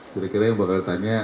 kira kira yang bakal tanya